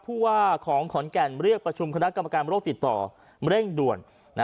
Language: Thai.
ผู้ว่าของขอนแก่นเรียกประชุมคณะกรรมการโรคติดต่อเร่งด่วน